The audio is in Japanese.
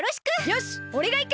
よしおれがいく！